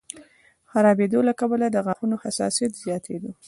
خرابېدو له کبله د غاښونو حساسیت زیاتېدو